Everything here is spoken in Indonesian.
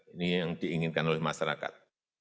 ini yang diinginkan oleh masyarakat